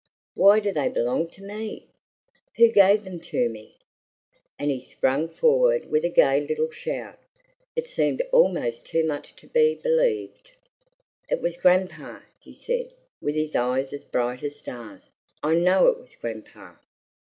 Why do they belong to me? Who gave them to me?" And he sprang forward with a gay little shout. It seemed almost too much to be believed. "It was Grandpapa!" he said, with his eyes as bright as stars. "I know it was Grandpapa!"